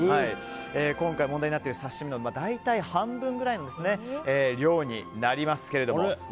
今回、問題になっている刺し身の大体半分ぐらいの量になりますけれども。